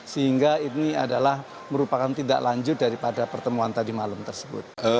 sehingga ini adalah merupakan tindak lanjut daripada pertemuan tadi malam tersebut